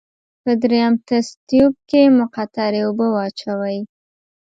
په دریم تست تیوب کې مقطرې اوبه واچوئ.